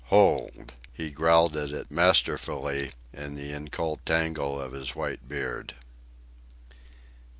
hold!" he growled at it masterfully in the incult tangle of his white beard.